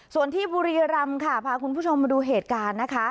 ส่วนที่บุรีรำค่ะพาคุณผู้ชมมาดูเหตุการณ์นะคะ